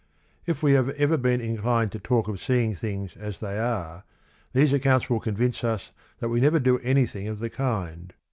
If we have ever been inclined to talk of seeing things as they are, these accounts will convince us that we never do anything of the kind.